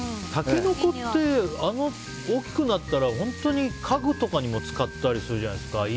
タケノコって、大きくなったら本当に家具とかにも使ったりするじゃないですか。